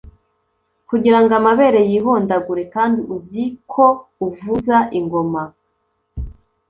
kugira ngo amabere yihondagure, kandi uzi ko uvuza ingoma